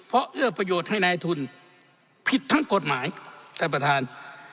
เพราะเอื้อประโยชน์ให้นายทุนผิดทั้งกฎหมายท่านประธาน